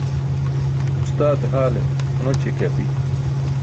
Uṣtaate haale kʰonoći ke api.